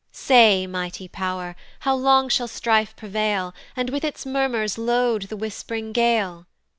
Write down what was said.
"Say, mighty pow'r, how long shall strife prevail, "And with its murmurs load the whisp'ring gale?